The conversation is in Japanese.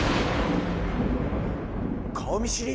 顔見知り？